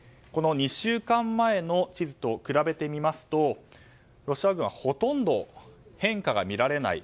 ２週間前の地図と比べてみますとロシア軍はほとんど変化が見られない。